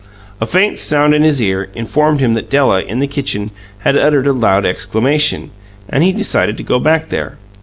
A faint sound in his ear informed him that Della, in the kitchen, had uttered a loud exclamation, and he decided to go back there.